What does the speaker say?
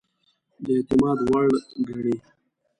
د اعتماد وړ ګڼي.